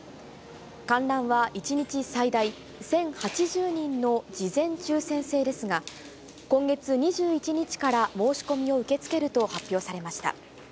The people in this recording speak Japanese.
観覧は１日最大１０８０人の事前抽せん制ですが、今月２１日から申し込みを受け付けると発表されました。